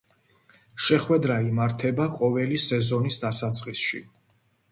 შეხვედრა იმართება ყოველი სეზონის დასაწყისში.